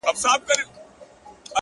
خوشحال په دې يم چي ذهين نه سمه ـ